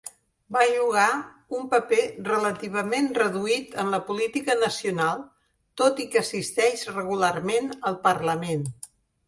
Va jugar un paper relativament reduït en la política nacional, tot i que assisteix regularment al Parlament.